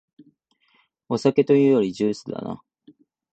お酒というよりジュースだな